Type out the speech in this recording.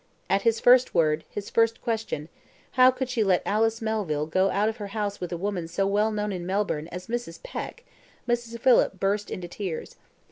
At his first word, his first question, how could she let Alice Melville go out of her house with a woman so well known in Melbourne as Mrs. Peck, Mrs. Phillips burst into tears.